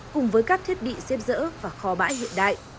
cùng với các thiết bị xếp dỡ và kho bãi hiện đại